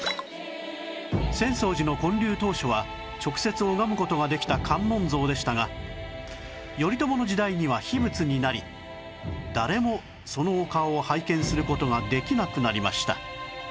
浅草寺の建立当初は直接拝む事ができた観音像でしたが頼朝の時代には秘仏になり誰もそのお顔を拝見する事ができなくなりました